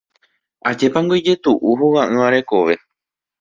Ajépango ijetu'u hoga'ỹva rekove.